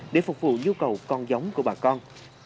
để phục vụ nhu cầu con giống của bà con